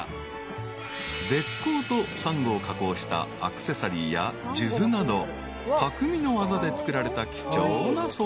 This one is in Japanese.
［べっ甲とサンゴを加工したアクセサリーや数珠など匠の技で作られた貴重な装飾品を販売］